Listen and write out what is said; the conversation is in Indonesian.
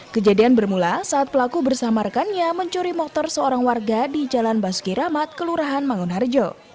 kejadian bermula saat pelaku bersama rekannya mencuri motor seorang warga di jalan basuki rahmat kelurahan mangunharjo